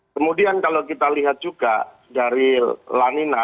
kemudian kalau kita lihat juga dari lanina